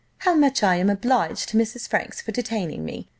How much I am obliged to Mrs. Franks for detaining me!